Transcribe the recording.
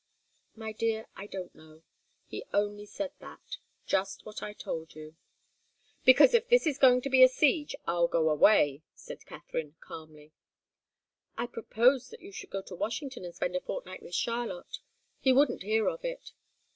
"My dear, I don't know he only said that. Just what I told you." "Because if it's going to be a siege, I'll go away," said Katharine, calmly. "I proposed that you should go to Washington and spend a fortnight with Charlotte. He wouldn't hear of it."